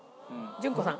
順子さん。